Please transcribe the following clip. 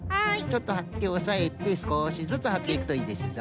ちょっとはっておさえてすこしずつはっていくといいですぞ。